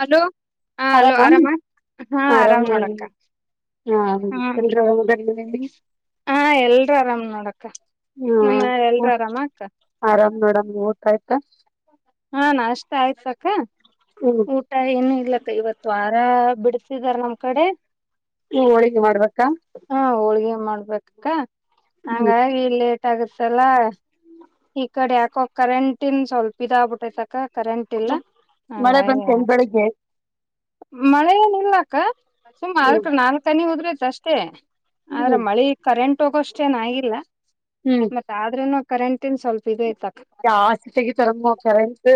Hello ಹಾ hello ಆರಾಮ ಹಾ ಆರಾಮ್ ಆರಾಮ ನೋಡಕ್ಕ ಹಾ ಹಾ ಎಲ್ರುೂ ಆರಾಮ್ ನೋಡ ನಿಮ್ಮ ಎ ಹ್ಮ ಆರಾಮ ಕ್ಕ ಆರಾಮ್ ನೋಡಮ್ ಊಟ ಆಯ್ತಾ ಹಾ ನಾಷ್ಟ ಹ್ಮ್ ಆಯ್ತ--ಊಟ ಏನುೂ ಇಲ್ಲ ಇವತ್ತು ಬಿಡ್ತಿದಾರ ನಮ್ ಕಡೆ. ಹೋಳಿಗೆ ಮಾಡ್ಬೇಕಾ. ಮಾಡ್ಬೇ ಹ್ಮ್ ಹಂಗಾಗಿ ಈ ಕಡೆ ಯಾಕೋ ಕರೆಂಟ್ ಇನ್ ಸ್ವಲ್ಪ ಇದ ಆಗ್ಬಿಟ್ಟೆ ಕರೆಂಟ್ ಇಲ್ಲ. ಮಳೆ ಬಂತ ಬೆಳಿಗ್ಗೆ. ಮಳೆನ ಸುಮ್ ನಾಲ್ಕ ಹ್ಮ್ ನಾಲ್ಕನಿ ಅಷ್ಟೇ ಆದ್ರೆ ಹ್ಮ್ ಮಳಿ ಕರೆಂಟ್ ಹೋಗೋಷ್ಟೇನ ಆಗಿಲ್ಲ ಹ್ಮ್ ಮತ್ತ ಆದ್ರೂನು ಕರೆಂಟ್ ಜಾಸ್ತಿ ತಗಿ ತರ ಕರೆಂಟ್.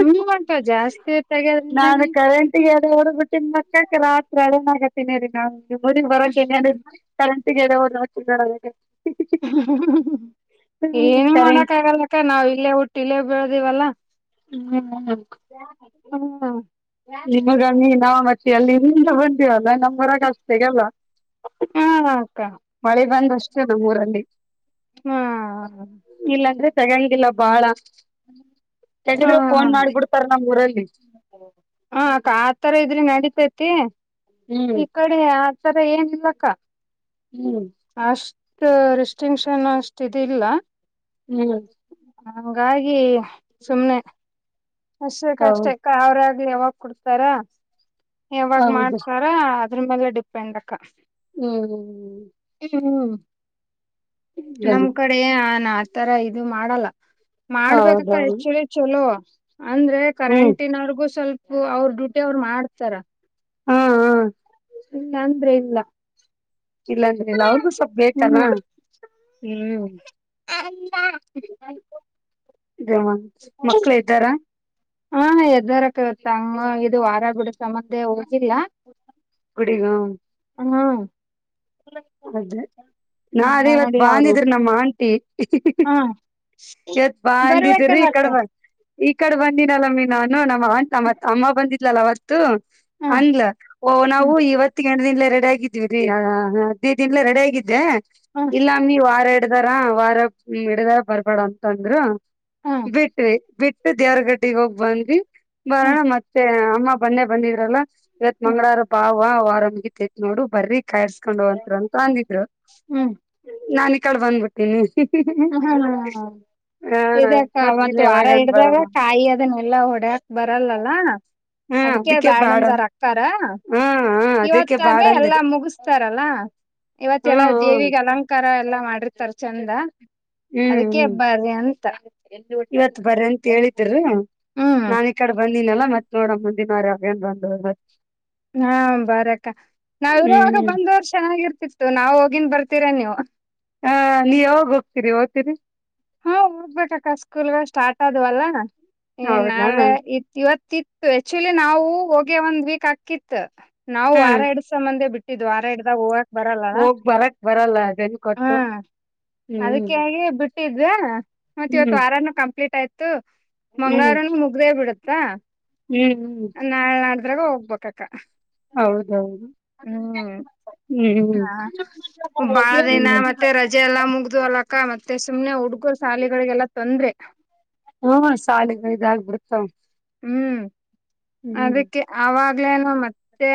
ಹ್ಮ ಉಂಟ ಜಾಸ್ತಿ ನಾನು ತೆಗೋದ್ರಿಂದಾನೇ ಕರೆಂಟ್ಗೆಡೆ ಹೊಡ್ಬಿಟ್ಟನ್ ಮಕ್ಕಾಕಲ್ಲ. ಆತ್ರಡ ಆಗತ್ತಿನ ರೀ ನಾ ಬರ ಕರೆಂಟಡ ಹ. ಹ್ಮ್ ಏನು ಕರೆಂಟ್ ಮಾಡಕ್ ಆಗಲ್ಲಕ್ಕ ನಾವ ಇಲ್ಲೇ ಹುಟ್ಟಿಲ್ಲೆ ಬೆಳೆದೇವಲ್ಲಾ. ಹ್ಮ್ ಹ್ಮ್. ಹೂ.. ನಿಮಗ ನೀ ಮರಾಗಷ್ಟತ ಹ ಅಕ್ಕ ಮಳೆ ಬಂದಷ್ಟೇ ಅದು ಊರಲ್ಲಿ ಹಾ ಇಲ್ಲಾಂದ್ರೆ ತೆಗಂಗಿಲ್ಲ. ಬಹಳ. ಹ. ಮಾಡ್ಬಿಡ್ತಾರ ನಮ್ಮೂರಲ್ಲಿ ಹ ಆತರ ಇದ್ರೆ ನಡಿತೈ ತ್ತೆ ಹ್ಮ್ ಈ ಕಡೆ ಆ ತರ ಏನ್ ಇಲ್ಲಕ್ಕ. ಹ್ಮ್. ರಿಸ್ಟ್ರಿಂಕ್ಷನ್ ಅಷ್ಟ ಇದಲ್ಲ. ಹ್ಮ್ ಹಾಗಾಗಿ ಸುಮ್ನೆ. ಅಷ್ಟಕ್ಕ ಅಷ್ಟೆ ಹೌದ್ ಅವ್ರಾಗ್ ಯಾವಾಗ್ ಕುಡ್ತಾರ ಯಾವಾಗ ಹೌದು ಮಾಡ್ತಾರ. ಅದ್ರ ಮೇಲೆ ಡಿಪೆಂಡ್ ಅಕ್ಕ. ಹ್ಮ್. ಹ್ಮ್ ನಮ್ ಕಡೆ ನ ಆತರ ಇದು ಮಾಡಲ್ಲ. ಮಾಡ್ಬೇಕಕ್ಕ ಹೌದೌದು ಎಷ್ಟ ಚಲ ಚಲೋ. ಅಂದ್ರೆ ಹ್ಮ್ ಕರೆಂಟೀನ್ ಅವ್ರಗು ಸ್ವಲ್ಪ ಅವ್ರರು ಡ್ಯೂಟಿ ಅವ್ರ ಮಾಡ್ತಾರ. ಹಾ ಹಾ. ಇಲ್ಲ ಅಂದ್ರೆ ಇಲ್ಲ. ಇಲ್ಲಾಂದ್ರೆ ಇಲ್ಲ ಅವ್ರಗು ಸ್ವಪ ಬೇಕಲ್ಲ ಹ್ಮ್. ಅಮ್ಮ. ಅದೇ ಮಕ್ಳು ಇದ್ದಾರಾ ಹಾ ಎದ್ದಾರಕ್ಕ ಇಂಗ ಇದು ವಾರ ಬಿಡು ಸಂಬಂಧ ಹೋಗಿಲ್ಲ. ಗುಡಿಗ. [unintelligible] ಅದೇ ನಾ ಹಂಗ ಅದೇ ಇವತ್ ನೋಡಿ ಬಾ ಅವರು ಅಂದಿದ್ರ ನಮ್ಮ ಆಂಟಿ. ಹಾ ಇವತ್ತ್ ಬಾ ಅಂಗಿದೀರಿ ಬರ್ಬೇಕಲ್ಲ ಅಕ್ಕ ಕಡಮ. ಈ ಕಡೆ ಬಂದಿನಲ್ಲಮ್ಮಿ ನಾನು ನಮ್ಮ್ಂ ನಮ್ಮ ಅಮ್ಮ ಬಂದಿದ್ಲಲ್ಲ ಅವತ್ತ. ಹಾ ಅನ್ಲ ಓ ಹ್ಮ್ ನಾವು ಇವತ್ತಿಗ ದೀನ್ಲೆ ರೆಡಿ ಆಗಿದ್ವಿ ರೀ. ಹದಿನೈದ ದಿನ್ಲೇ ರೆಡಿ ಆಗಿದ್ದೆ ಹ್ಮ್ ಇಲ್ಲಮ್ಮ ನೀವು ಆರಡು. ಹಿಡ್ದಾರ ವಾರ ಹಿಡದಾರ ಬರ್ಬೇಡ ಅಂತಂದ್ರರು ಹ್ಮ್ ಬಿಟ್ವಿ ಬಿಟ್. ಮ ದ್ಯಾರಗಡ್ಡಿಗೆ ಹೋಗ್ ಬಂದ್ವಿ ಹ್ಮ್ ಬರೋಣ ಮತ್ತೆ ಅಮ್ಮ ಮನ್ನೇ ಬಂದಿದ್ರಲ್ಲ. ಇವತ್ ಹ್ಮ್ ಮಂಗಳಾರ ಬಾವ ವಾರ ಮುಗಿತೇತೀ ನೋಡು ಬರಿ ಕಾಯಸ್ಕೊಂಡ್. ಅಂತ ಅಂದಿದ್ರು ಹ್ಮ್ ನಾನ ಈ ಕಡೆ ಬಂದ್ಬಿಟ್ಟೀನಿ. ಹಾ. ಹ ಇದಕ್ಕ ಇನ್ ಮತ್ತ ವಾರ ಯಾವಾಗನ್ ಹಿಡ್ದಾಗ ಬರಮ್ಮ ಕಾಯಿ ಅದನ್ನೆಲ್ಲಾ ಒಡ್ಯಾಕ್ ಬರಲ್ಲಲ್ಲ. ಹಾ ಅದಕೆ ಅದಕ್ಕೆ ಬ್ಯಾಡ್ ಬಾಡ ಅಂದಾರ್ ಅಕ್ಕಾರ. ಹಾ ಹ ಅದಕ್ಕೆ ಇವತ್ತ ಬಾಡ ಆದ್ರೆ ಎಲ್ಲಾ ಅಂದ್ರಿ ಮುಗಸ್ತಾರಲ್ಲ. ಇವತ್ತೆಲ್ಲ ಹ್ಮ್ ಹ್ಮ್ ದೇವಿಗೆ ಅಲಂಕಾರ ಎಲ್ಲಾ ಮಾಡಿರ್ತರ್. ಹ್ಮ್ ಅದಕ್ಕೆ ಹ್ಮ್ ಬರ್ರಿ ಅಂತ. ಇವತ್ ಬರ್ರಿ ಅಂತ ಹೇಳಿದ್ದೀರಿ ಹ್ಮ್ ನಾ ಈ ಕಡೆ ಬಂದಿನಲ್ಲ. ಮತ್ತ ನೋಡೋಣ ಮುಂದಿನವಾರ ಬಂದ ಹೋದ್ರ ಆತ. ಹಾ ಬರಕ್ಕ ನಾವ್ ಇರೋವಾಗ ಹ್ಮ್ ಬಂದ್ ಹೋದ್ರ ಚೆನ್ನಾಗಿರ್ತಿತ್ತು ನಾವ್ ಹೋಗಿನ್ ಬರ್ತಿ. ತೀರ ನೀವು. ಹ ನೀ ಯಾವಾಗ ಹೋಗ್ತೀರಿ ಹೋಗ್ತೀರಿ. ಹಾ ಓದ್ಬೇಕಕ್ಕ ಸ್ಕೂಲ್ಗೋಲ್ ಸ್ಟಾರ್ಟ್ ಆದುವಲ್ಲ ಈ ಹೌದಾ ನಾಳೆ ಇತ್ ಇವತ್. ತಿತ್ತು ಆಕ್ಚುಲಿ ನಾವು ಹೋಗಿ ಒಂದ್ ವೀಕ್ ಆಕ್ಕಿತ್ತು ನಾವು ಆರ ಹ್ಮ್ ಎರಡ್ಸ ಮಂದೆ ಬಿಟ್ಟ. ಇದು ವಾರ ಹಿಡ್ದಾಗ ಹೂವ. ಹೋಗ್ ಬರಕ್ ಬರಲ್ಲ ಅದನ್ ಹಾ ಕೊಟ್ಟು ಹ್ಮ್. ಇಟ್ಟಿದ್ವಾ ಮತ್ತ್ ಇವತ್ತು ಹ್ಮ್ ವಾರಾನೂ ಕಂಪ್ಲೀಟ್ ಆಯ್ತು ಹ್ಮ್ ಮಂಗಳವಾರನು ಮುಗ್ದೇ ಬಿಡತ್ತಾ ಹ್ಮ್ ಹ್ಮ್ ದ್ರಾಗೂ ಹೋಗ್ಬೇಕಕ್ಕ. ಹೌದು ಹೌದು. ಹ್ಮ್ ಹಾ ಬಾಳ ದಿನ ಮತ್ತೆ ರಜೆ ಎಲ್ಲ ಮುಗ್ದು ಅಲಕ್ಕ ಮತ್ತ. ಮತ್ತೆ ಸುಮ್ನೆ ಹುಡ್ಗರು ಶಾಲಿಗಳಿಗೆಲ್ಲಾ ತೊಂದ್ರೆ. ಹ್ಮ ಶ್ಯಾಲಿಗ್ ಇದಾಗಿಬಿಡತ್ತ. ಹ್ಮ್ ಅದಕ್ಕೆ ಅವಾಗ. ಆಲೇನು ಮತ್ತೆ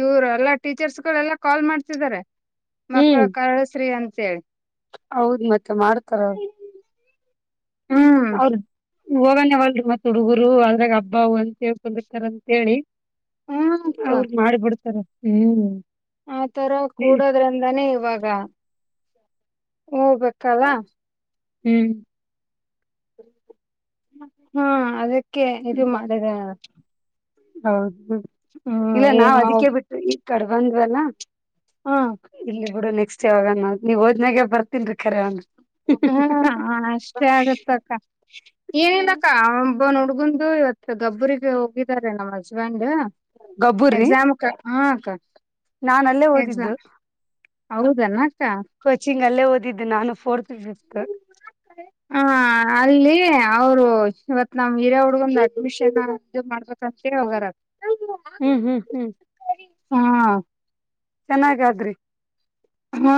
ಇವರು ಎಲ್ಲಾ ಟೀಚರ್ಸ್ಗಳೆಲ್ಲಾ ಕಾಲ್ ಮಾಡ್ತಿದಿದ್ದಾರೆ. ಮಕ್ಕಳ ಹ್ಮ್ ಕಲಸ್ರೀ ಅಂತೇಳಿ. ಹೌದ್ ಮತ್ತ ಮಾಡ್ತಾರ. ಹ್ಮ್ ಅವೌದ. ಹೋಗಾನೇವಲ್ರಿ ಮತ್ತ ಹುಡುಗರು ಅದ್ರಾಗ ಹಬ್ಬ ಒಂದ ಸೇಳ್ಕೊಂಡಿರ್ತಾರ ಅಂತ ಹೇಳಿ. ಹ್ಮಕ್ಕ ಅವರು ಮಾಡಿ ಬಿಡ್ತಾರ ಹ್ಮ್ ಆ ತರ ಹ್ಮ್ ಕೂಡೋದ್ರಿಂದಾನೇ ಇವಾಗ ಹೋಗ್ಬೇಕಲ್ಲ ಹ್ಮ್ ಹ್ಮ್ ಅದಕ್ಕೆ ಇದು ಮಾಡಿದೆವ. ಹೌದು ಇಲ್ಲ ನಾವ್ ಏನು ಅದಿಕ್ಕೆ ಬಿಟ್ವಿ ಕಡ್ ಬಂದ್ವಲ್ಲ ಹ್ಮ್ ಇರ್ಲಿ ಬಿಡು ನೆಕ್ಸ್ಟ್ ಯಾವಾಗನ ನೀವ್ ಓದ್ನಾಗೆ ಬರ್ ಹ್ಮ ಆ ಅಷ್ಟೇ ಆಗತ್ತಕ್ಕ. ಏನಿಲ್ಲಕ್ಕ ಆ ಒಬ್ಬನ್ ಹುಡ್ಗುನ್ ದು ಇವತ್ತು ಗಬ್ಬರಿಗೆ ಹೋಗಿದ್ದಾರೆ ನಮ್ಮ್ ಹಸ್ಬೆಂಡ್ ಗಬ್ಬುರ್ರಿ ಎಕ್ಸಾಮ್ ಕ ಹ್ಮ್ ನಾನ್ ಅಲ್ಲೇ ಓದಿದ್ದು. ಹೌದನ ಅಕ್ಕ ಕೋಚಿಂಗ್ ಅಲ್ಲೇ ಓದಿದ್ದು ನಾನು ಫೋರ್ ಹಾ ಅಲ್ಲಿ ಅವರು ಇವತ್ ನಮ್ ವೀರ್ಯ ಹುಡ್ಗಂದ ಅಡ್ಮಿಷನ್ ಇದು ಮಾಡ್ಬೇಕಂತೆಳ್ ಹೋಗ್ಯಾರ. ಹ್ಮ್ ಹ್ಮ್ ಹ್ಮ್ ಹಾ ಚೆನ್ನಾಗಾದ್ರಿ ಹಾ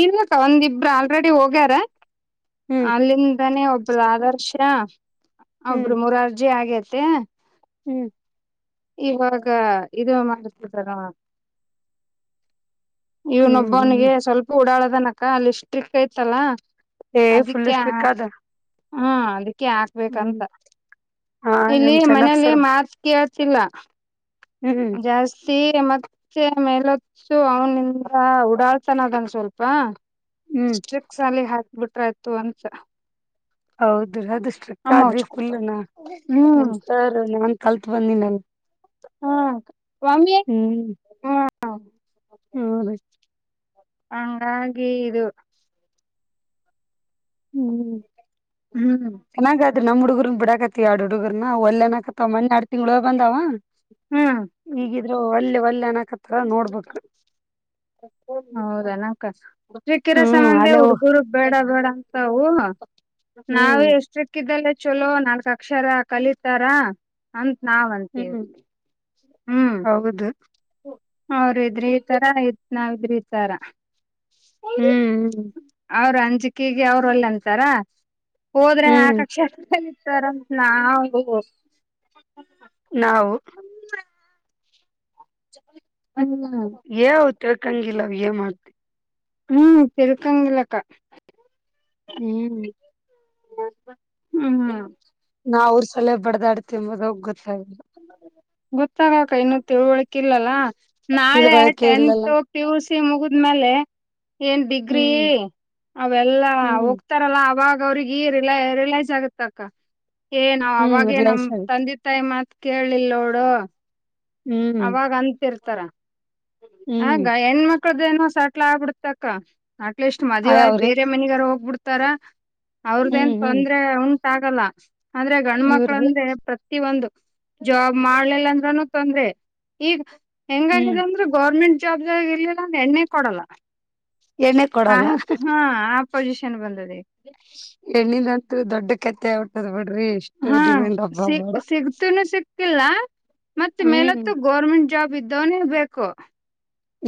ಇಲಕ್ಕ ಒಂದಿಬ್ರ್ ಆಲ್ರೆಡಿ ಹೋಗ್ಯಾರ ಹ್ಮ್ ಅಲ್ಲಿನ್ ದನೆ ಒಬ್ರು ಆದರ್ಶ ಹ್ಮ್ ಒಬ್ರು ಮೂರಾರ್ಜಿ ಆಗೇತಿ. ಹ್ಮ ಇವಾಗ ಇದು ಮಾಡ್ಸ್ ಬಿಟ್ರಕಣ. ಹ್ಮ್ ಇವ್ನೊಬ್ಬನಿಗೆ ಹ್ಮ್ ಸ್ವಲ್ಪ ಊಡಾಳ್ ಅದಾನಕ್ಕ ಅಲ್ಲಿ ಸ್ಟ್ರಿಕ್ಟ್ ಐತಲ್ಲ. ಏ ಫುಲ್ ಅದಕ್ಕೆ ಹಾ ಸ್ಟ್ರಿಕ್ ಅದ ಹ್ಮ ಅದಕ್ಕೆ ಹ್ಮ್ ಹಾಕ್ಬೇಕಂತ ಹಾ ಇಲ್ಲಿ ನಮ್ ಚೆನ್ನಪ್ಪ ಮನೇಲ್ಲಿ ಸರ್ ಮಾತ್ ಕೇಳ್ ತಿಲ್ಲ. ಹ್ಮ್ ಜಾಸ್ತಿ ಮತ್ ತ್ತೆ ಮೇಲೊಚ್ಚು ಅವನಿಂದ ಉಡಾಳ್ ತನ ಅದಾನ್ ಸ್ವಲ್ಪ. ಹ್ಮ್ ಸ್ಟ್ರಿಕ್ಸ್ ಸಾಲ್ಲಿ ಹಾಕ್ಬಿಟ್ರಾಯ್ತು ಅಂತ. ಹೌದ್ರೀ ಅದು ಸ್ಟ್ರಿಕ್ ಅಮ್ಮ ಆದ್ರಿ ಹುಚ್ ಕೊಡ್ತಾವ ಫುಲ್ನ. ಹ್ಮ್ ನಮ್ಸ್ತಾರ್ ನಾನ್ ಕಲ್ತ್ ಬಂದನಲ್ ಹಾ ಕ ವಮ್ಮಿ ಹ್ಮ ಹ್ಮ ರೀ ಹಂಗಾಗಿ ಇದು ಹ್ಮ್ ಹ್ಮ್ ಚೆನ್ನಾಗಾದ್ರಿ ನಮ್ಮ್ ಹುಡುಗುರ್ನ್ ಬಿಡಕ್ ಆಕತಿ ಯಾಡು ಹುಡುಗರ್ನ ಒಲ್ಲೆ ಆನ್ನಕತ್ತವ ಮನ್ನೆ ಯಾಡ್ ತಿಂಗಳ್ ಹೋಗ್ ಬಂದಾವ. ಹ್ಮ್ ಅಲ್ಲಿ ಒಲ್ಯ ಅನಕತ್ರ ನೋಡ್ಬೇಕು. ತನಕ ಹುಡ್ಲಿಕ್ಕಿರೋ ಸಂಬಂಧ ಅಲ್ಲೇ ಹುಡ್ಗುರು ಬೇಡ ಬೇಡ ಅಂತವು. ಹ್ಮ್ ನಾವೇ ಎಷ್ಟ್ರಿಕ್ಕಿದ್ದಲ್ಲೇ ಚಲೋ ನಾಲ್ಕ ಅಕ್ಷರ ಕಲಿತಾರ ಅನ್ ನಾವಂತೀವ್ ಹ್ಮ್ ಹೌದು ಅವ್ರಿದ್ರೆ ಈ ತರ ನಾವಿದ್ರ ಈ ತರ. ಹ್ಮ್ ಅವ್ರ ಅಂಜಿಕೆಗೆ ಅವ್ರ್ ಒಲ್ಲೆ ಅಂತಾರ ಹೋದ್ರೆ ಹ್ಮ್ ನಾಕ್ ಆಕ್ಷರ ಕಲಿ ಹುಷಾರಂತ್ ನಾವು ನಾವು ಹ [unintelligible] ಏವ್ ತಿಳ್ಕಂಗಿಲ್ಲ ಅವ ಏ ಮಾಡ್ತಿ ಹ್ಮ್ ತಿರುಕಂಗಲಕ್ಕ ಹ್ಮ್ ಹ್ಮ್ ನಾ ಅವ್ರ ಸಲ ಬಡದಾಡ್ತಿಂಬುದ ಗೊತ್ತಾಗದು ಗೊತ್ತಾಗ ಕೈನ್ನುೂ ತಿಳುವಳಕ ಇಿಲ್ಲಲ್ಲ ನಾಳೆ ತಿಳ್ವಳಿಕೆ ಇಲ್ಲಲ್ಲ ಟೆಂತ್ ಮುಗಿದ್ಮೇಲೆ ಏನ್ ಡಿಗ್ರಿ ಹ್ಮ್ ಅವೆಲ್ಲಾ ಹ್ಮ್ ಹೋಗ್ತಾರಲ್ಲ ಅವಾಗ ಅವ್ರಿಗೆ ರಿಲ ರಿಲೈಸ್ ಆಗತ್ತ ಅಕ್ಕ ಏ ನಾ ಹ್ಮ್ ಅವಾಗ ನಮ್ ರಿಲೈಸ್ ಆಗುತ್ತೆ ತಂದಿ ತಾಯಿ ಮತ್ ಕೇಳಿಲ್ಲೋಡು ಹ್ಮ್ ಅವಾಗ ಅಂತಿರ್ತಾರ ಹ್ಮ್ ಆಗ ಹೆಣ್ಮಕ್ ಹ್ದೇನೋ ಸಟ್ಲ ಆಗ್ಬಿಡ್ತಕ್ಕ ಅಟ್ಲೀಸ್ಟ್ ಮದ್ವೆ ಆಯವ್ರಿ ಬೇರೆ ಮನಗಾರ ಹೋಗ್ಬಿಡ್ತಾರ ಅವ್ರ್ದೇನ್ ಹ್ಮ್ ಹ್ಮ್ ತೊಂದ್ರೆ ಉಂಟ ಆಾಗಲ್ಲ ಆದಂದ್ರೆ ಇವ್ರ್ದೇ ಗಂಡ್ಮಕ್ಳಂದ್ರೆ ಪ್ರತಿಿಯೊಂದು ಜಾಬ್ ಮಾಡ್ಲಿಲ್ಲ ಅಂದ್ರನು ತೊಂದ್ರೆ ಈಗ ಹ್ಮ್ ಹೆಂಗಾಗಿದೆ ಅಂದ್ರೆ ಗೌರ್ಮೆಂಟ್ ಬ್ದ ಇರ್ಲಿಲ್ಲ ಒಂದ ಎಣ್ಣೆ ಕೊಡಲ್ಲ ಎಣ್ಣೆ ಕೊಡಲ್ಲ ಪೊಸಿಷನ್ ಬಂದದೆ ಎಣ್ಣಿನಂತು ದೊಡ್ಡ ಕತ್ತೆ ಉಟ್ಟದ ಬಿಡ ಹಾ ಸಿಗ್ ಸಿಗ್ತನು ಸಿಗ್ ಆಿಲ್ಲ ಮತ್ತ ಹ್ಮ್ ಮೇಲತ್ತು ಗೋರ್ಮೆಂಟ್ ಜಾಬ್ ಇದ್ದವನೇ ಬೇಕು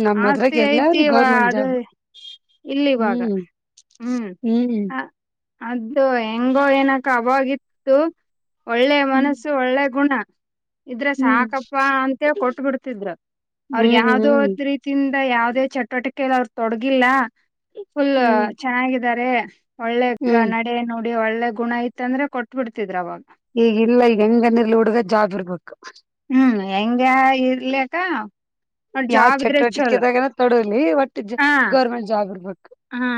ನಮ್ ಅದ್ರಾಗ ಆಸ್ತಿ ಐತಿ ಎಲ್ಲಾರಿಗೂ ಅದ ಇಲ್ಲಿವಾಗ ಹ್ಮ್ ಹ್ಮ್ ಹ್ಮ್ ಹ ಅದ್ದದು ಹೆಂಗೋ ಏನಕ ಅವತ್ತು ಒಳ್ಳೆ ಹ್ಮ್ ಮನಸ್ಸು ಒಳ್ಳೆ ಗುಣ ಇದ್ರ ಹ್ಮ್ ಸಾಕಪ್ಪ ಅಂತ ಕೊಟ್ಟ ಬಿಡ್ತಿದರು ಅವ್ರಗ್ ಹ್ಮ್ ಯಾವ್ದೋ್ ಹ್ಮ್ ರೀತಿ ಯಾವವುದೇ ಚಟುವಟಿಕೆಲ್ಲ ಅವ್ರರು ತೊಡಗಿಲ್ಲ ಫುಲ್ ಹ್ಮ್ ಚೆನ್ನಾಗಿದ್ದಾರೆ ಒಳ್ಳೆಗ ಹ್ಮ್ ನಡೆ ನೋಡಿ ಒಳ್ಳೆ ಗುಣ ಇತ್ ಅಂದ್ರೆ ಕೊಟ್ಬಿಡ್ತಿದ್ರ ಅವಾಗ ಈಗಿಲ್ಲ ಈಗ ಹೆಂಗ ನೀ ಇರ್ ಹುಡುಗ ಜಾಬ್ ಇರ್ಬಬೇಕು ಹ್ಮ್ ಹೆಂಗ ಇರ್ಲಕ್ಕ ಅವ್ರ ಯಾವ್ ಜಾಬ್ ಇದ್ರೆ ಚಲೋ ಚಟುವಟಿಕೆದಾಗನ ತೊಡಲಿ ಒಟ್ಟು ಹಾ ಗೌರ್ಮೆಂಟ್ ಜಾಬ್ ಇರ್ಬು ಹಾ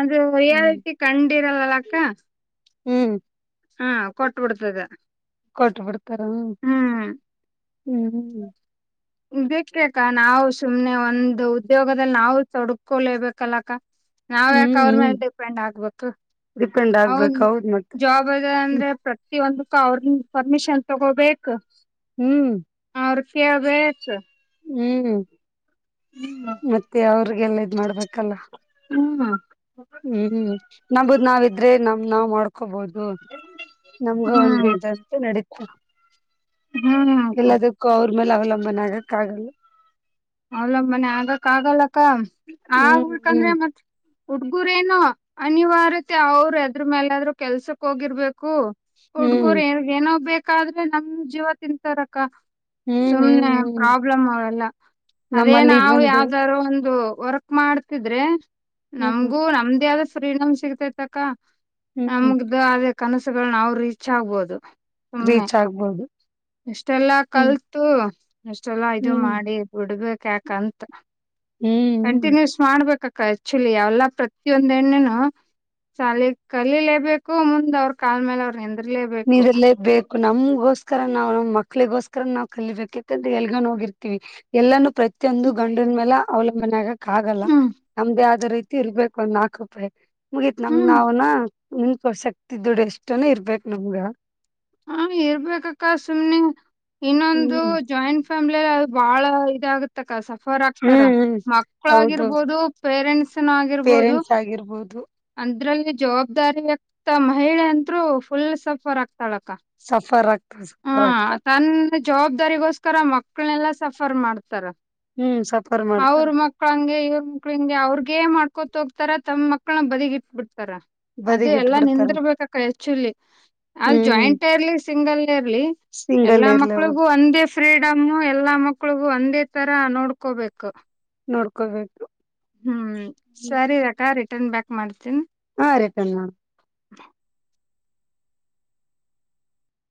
ಅದು ರಿಯಾಲಿಟಿ ಕಂಡಿರಲ್ಲಲ್ಲ ಅಕ್ಕ ಹ್ಮ್ ಹಾ ಕೊಟ್ಟಬಿಡ್ತದ ಪಟ್ಟು ಬಿಡ್ತಾರ ಹ್ಮ್ ಬೇಕ ಅಕ್ಕ ನಾವು ಸುಮ್ನೆ ಒಂದು ಉದ್ಯೋಗದಲ್ಲಿ ನಾವು ತೊಡ್ಕೊಳಬೇಕಲ್ಲಕ್ಕ ನಾವ್ ಹ್ಮ್ ಯಾಕ ಅವ್ರ ಹ್ಮ್ ಮೆಟ್ ಡಿಪೆಂಡ್ ಆಗ್ಬೇಕು ಹೌದು ಆಗ್ಬೇಕ್ ಹೌದ್ ಮತ್ತ ಜವಾಬ ಅದ ಅಂದ್ರೆ ಪ್ರತಿಹೊಂದು ಅವ್ರ ನಿ ಪರ್ಮಿಷನ್ ತಗೋಬೇಕ ಹ್ಮ್ ಅವ ರಪ ಬ್ಯಾಚ್ ಹ್ಮ್ ಹ [unintelligible] ಹಗೆಲ್ಲ ಇದ್ ಮಾಡ್ಬೇಕಲ್ಲ ಹ್ಮ ಹ್ಮ್ ನಂಬುದ್ ನಾವಿದ್ರೆ ನಮ್ ನಾವ್ ಮಾಡ್ಕೋಬಹದು ಹ ನಮ್ಗ ಹ್ಮ್ ಒಂದೇಂತ ನಡತ ಹ್ಮ್ ಅಕ್ಕ ಎಲ್ಲದಕ್ಕೂ ಅವ್ರ ಮೇಲೆ ಅವಲಂಬನೆ ಆಗಕ್ಕ ಆಗಲ್ಲ ಅವಲ ಮನೆ ಆಗಕ್ ಆಗಲ್ಲಕ್ಕ ಹ್ಮ್ ಆಕಂದ್ರೆ ಹ್ಮ್ ಮತ್ ಹುಡ್ಗುರೇನುೋ ಅನಿವಾರ್ಯತೆ ಅವರು ಅದ್ರ ಮೇಲಾದ್ರರು ಕೆಲ್ಸಕ್ ಹೋಗಿರ್ಬೇಕು ಹ್ಮ್ ಹುಡ್ಗರು ಏ ಏನೋ ಬೇಕಾದ್ರೆ ನಮ್ ಜೀವ ತಿಂತಾರಕ್ಕ ಹ್ಮ್ ಹ್ಮ್ ಸುಮ್ನೆ ಹ್ಮ್ ಪ್ರಾಬ್ಲಮ್ ಅವೆಲ್ಲ ಅದೇ ನಮ್ಮಲ್ಲಿ ನಾವು ಇದೊಂದು ಯಾವ್ದಾರೂ ಒ ಒಂದು ವರ್ಕ್ ಮಾಡ್ತಿದ್ರೆ ಹ್ಮ್ ನಮಗೂ ನಮ್ದ ಯಾವ್ದ ಫ್ರೀನಮ್ ಸಿಗ್ತೈತಕ ಹ್ಮ್ ನಮಗ್ದು ಅದೇ ಕನಸುಗಳನ್ನ ಅವ್ ರೀಚ್ ಆಗ್ಬೋದು ಸುಮ್ನೆ ರೀಚ್ ಆಗ್ಬೋದು ಎಷ್ಟೆಲ್ಲಾ ಹ್ಮ್ ಕಲ್ತು ಎಷ್ಟೆಲ್ಲಾ ಇದು ಹ್ಮ್ ಮಾಡಿ ಬಿಡ್ಬೇಕ ಯಾಕಂತ ಹ್ಮ್ ಹ್ಮ್ ಕಂಟಿನ್ಯೂಸ್ ಮಾಡ್ಬೇಕ ಆಕ್ಚುಲಿ ಯಾವಲ್ಲಾ ಪ್ರತಿಯೊಂದ್ ಎಣ್ಣೇನು ಸಾಲಿ ಕಲಲೇಬೇಕು ಮುಂದ್ ಅವ್ರ ಕಾಲ್ ಮೇಲೆ ಅವ್ರ ನಂದ್ರಲೇಬೇಕು ನೀರಲೇಬೇಕು ನಮ್ಗೋಸ್ಕರ ನಾವು ನಮ್ ಮಕ್ಳಿಗೋಸ್ಕರ ನಾವವು ಕಲಿಬೇಕಂತ ಎಲ್ಗೊಂಡ ಹೋಗಿರ್ತಿವಿ ಎಲ್ಲಾನ ಪ್ರತಿಯೊಂದು ಗಂಡಿನ ಮೇಲೆ ಅವಲಂಬನೆ ಆಗಕ್ ಆಗಲ್ಲ ಹ್ಮ್ ನಮ್ದೇ ಆದ ರೀತಿ ಇರ್ಬೇಕು ಒಂದ್ ನಾಲ್ಕು ರೂಪಾಯಿ ಮುಗೀತ್ ನಮ್ ಹ್ಮ್ ನಾವ್ನ ನಿಂಕ ಶಕ್ತಿ ದುಡು ಎಷ್ಟು ಇರ್ಬೇಕು ನಮ್ಗ ಹ ಇರ್ಬೇಕಕ್ಕ ಸುಮ್ನೆ ಇನ್ನೊಂದು ಹ್ಮ್ ಜಾಯಿಂಟ್ ಫ್ಯಾಮ್ ಅದು ಬಾಳ ಇದಾಗುತ್ತೆ ಕಸ ಫರ್ ಆಗ್ತಾರ ಹ್ಮ್ ಹ್ಮ್ ಮಕ್ಳ ಆಗಿ ಹೌದು ರ್ಬೋದು ಪೇರೆಂಟ್ಸ್ನ ಆಗಿರ್ಬೋದು ಪೇರೆಂಟ್ಸ್ ಆಗಿರ್ಬೋದು ಅಂದ್ರಲ್ಲಿ ಜವಾಬ್ದಾರಿ ಆಗ್ತ ಮಹಿಳೆ ಅಂದರು ಫುಲ್ ಸಫರ್ ಆಗ್ತ ಸಫರ್ ಆಗ್ತಾರ ಹಾ ಸಫರ್ ಆಗ್ತಾರ ತಂದ ಜವಾಬ್ದಾರಿಗೋಸ್ಕರ ಮಕ್ಳನೆಲ್ಲಾ ಸಫರ್ ಮಾಡ್ತಾರ ಹ್ಮ್ ಸಫರ್ ಮಾಡ್ತಾರ ಅವ್ರ ಮಕ್ಳಂಗೆ ಇವ್ರ ಮಕ್ಳ ಹಂಗೆ ಅವ್ರ ಗೇ ಮಾಡ್ಕೊತ ಹೋಗ್ತಾರ ತಮ್ಮ ಮಕ್ಳನ ಬದಿಟ್ಬಿಟ್ಟ ರ ಅದು ಎಲ್ಲಾ ಬದಿಗಿಟ್ಬಿಡ್ತಾರ ನಿಂದರ್ ಬೇಕಕ್ಕ ಹೆಚ್ಚುಲಿ ಅದು ಹ್ಮ್ ಜಾಯಿಂಟ್ ಇರ್ಲಿ ಸಿಂಗಲ್ ಇಲಿ ಸಿಂಗಲ್ ಎಲ್ಲಾ ಇರ್ಲಿ ಅವ್ರು ಮಕ್ಳಿಗು ಒಂದೇ ಫ್ರೀಡಮ್ಮು ಎಲ್ಲಾ ಮಕ್ಳಿಗು ಒಂದೇ ತರ ನೋಡ್ಕೋಬೇಕು ನೋಡ್ಕೋಬೇಕು ಹ್ಮ್ ಸರಿ ಅಕ್ಕ ರಿಟರ್ನ್ ಬ್ಯಾಕ್ ಮಾಡ್ತೀನ್ ಹಾ ರಕಣ [unintelligible]